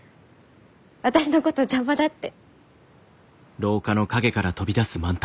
私のこと邪魔だって。